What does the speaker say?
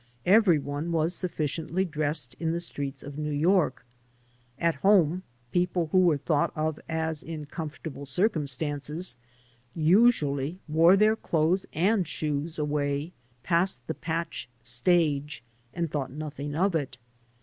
Every one was suflSciently dressed in the streets of New York. At home people who were thought of as in comfortable circumstances usually wore their clothes and shoes away past the patch stage and thought nothing of it.